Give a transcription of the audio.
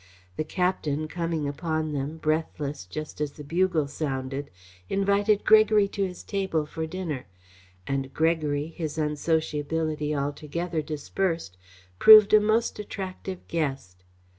The captain, coming upon them, breathless, just as the bugle sounded, invited Gregory to his table for dinner, and Gregory, his unsociability altogether dispersed, proved a most attractive guest.